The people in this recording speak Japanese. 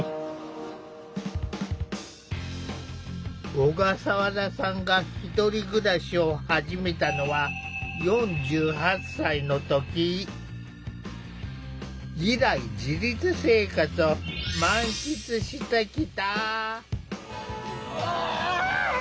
小笠原さんが１人暮らしを始めたのは以来自立生活を満喫してきた。